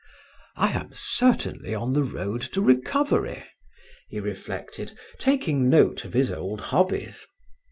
"I am certainly on the road to recovery," he reflected, taking note of his old hobbies.